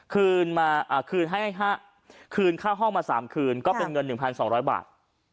คืนให้คืนค่าห้องมา๓คืนก็เป็นเงิน๑๒๐๐บาท